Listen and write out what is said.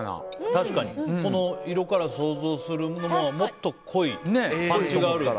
確かに、この色から想像するものはもっと濃い、パンチがある。